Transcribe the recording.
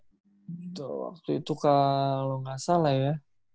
waktu itu kalau gak salah ya